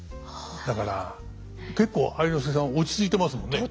だから結構愛之助さん落ち着いてますもんね。